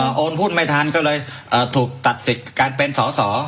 อ่าโอนพูดไม่ทันก็เลยอ่าถูกตัดสิทธิ์การเป็นสอสอ